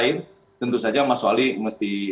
tapi di sisi lain tentu saja mas wali harus mencari kesempatan